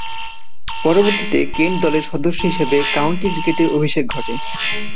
পরবর্তীতে কেন্ট দলের সদস্য হিসেবে কাউন্টি ক্রিকেটে অভিষেক ঘটে।